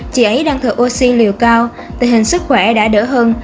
chị ấy đang thở oxy liều cao tình hình sức khỏe đã đỡ hơn